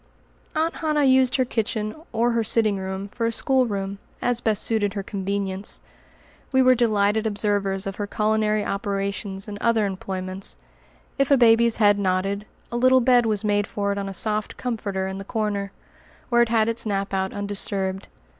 Aunt Hannah used her kitchen or her sitting room for a schoolroom, as best suited her convenience. We were delighted observers of her culinary operations and other employments. If a baby's head nodded, a little bed was made for it on a soft "comforter" in the corner, where it had its nap out undisturbed.